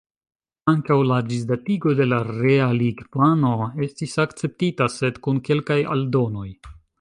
Ankaŭ la ĝisdatigo de la realigplano estis akceptita, sed kun kelkaj aldonoj.